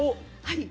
はい。